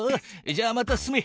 じゃあまた進め。